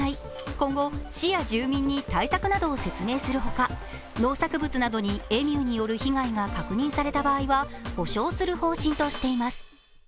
今後、市や住民に対策などを説明するほか農作物にエミューによる被害が確認された場合は補償する方針としています。